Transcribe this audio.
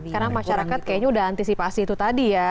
karena masyarakat kayaknya udah antisipasi itu tadi ya